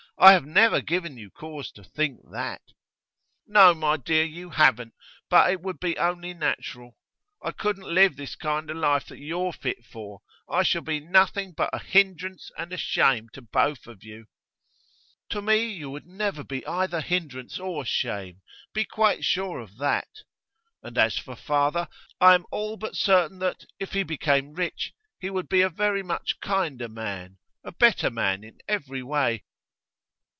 I have never given you cause to think that.' 'No, my dear, you haven't; but it would be only natural. I couldn't live the kind of life that you're fit for. I shall be nothing but a hindrance and a shame to both of you.' 'To me you would never be either hindrance or shame; be quite sure of that. And as for father, I am all but certain that, if he became rich, he would be a very much kinder man, a better man in every way.